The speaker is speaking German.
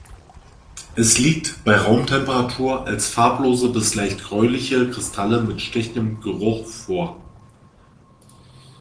Es liegt bei Raumtemperatur als farblose bis leicht gräuliche Kristalle mit stechendem Geruch vor.